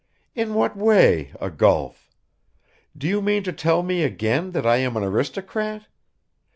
." "In what way, a gulf? Do you mean to tell me again that I am an aristocrat?